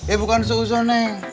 eh bukan suzon neng